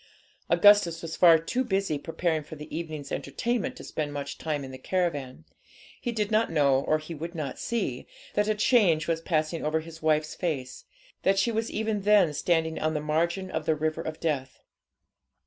Augustus was far too busy preparing for the evening's entertainment to spend much time in the caravan. He did not know or he would not see, that a change was passing over his wife's face, that she was even then standing on the margin of the river of death.